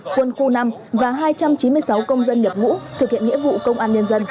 quân khu năm và hai trăm chín mươi sáu công dân nhập ngũ thực hiện nghĩa vụ công an nhân dân